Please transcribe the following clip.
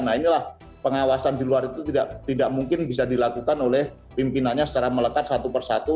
nah inilah pengawasan di luar itu tidak mungkin bisa dilakukan oleh pimpinannya secara melekat satu persatu